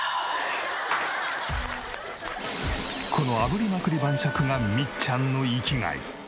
この炙りまくり晩酌がみっちゃんの生きがい。